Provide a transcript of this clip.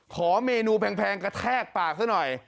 ขอเมนูแพงกระแทกปากซะหน่อย